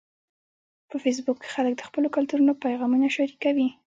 په فېسبوک کې خلک د خپلو کلتورونو پیغامونه شریکوي